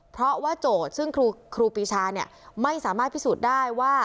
เพราะว่าโจทย์ซึ่งครูปีชาไม่สามารถพิสูจน์ได้ว่า